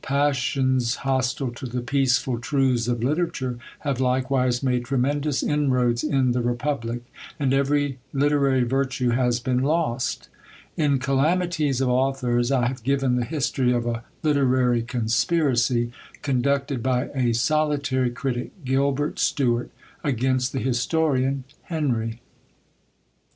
Passions hostile to the peaceful truths of literature have likewise made tremendous inroads in the republic, and every literary virtue has been lost! In "Calamities of Authors" I have given the history of a literary conspiracy, conducted by a solitary critic, GILBERT STUART, against the historian HENRY.